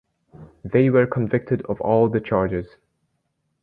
They were convicted of all the charges.